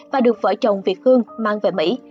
và được vợ chồng việt hương mang về mỹ